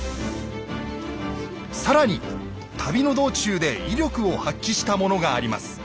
更に旅の道中で威力を発揮したものがあります。